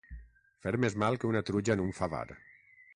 Fer més mal que una truja en un favar.